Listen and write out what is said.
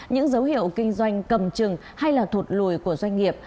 những dấu hiệu kinh doanh cầm chừng hay là thụt lùi của doanh nghiệp